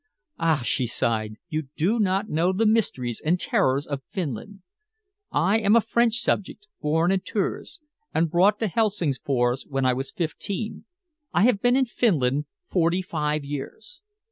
Ah!" she sighed, "you do not know the mysteries and terrors of Finland. I am a French subject, born in Tours, and brought to Helsingfors when I was fifteen. I have been in Finland forty five years.